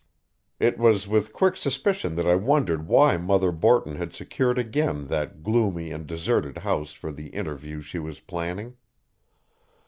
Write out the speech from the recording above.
It was with quick suspicion that I wondered why Mother Borton had secured again that gloomy and deserted house for the interview she was planning.